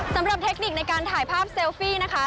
เทคนิคในการถ่ายภาพเซลฟี่นะคะ